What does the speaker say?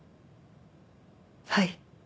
はい。